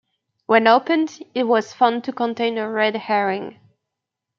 When opened, it was found to contain a red herring.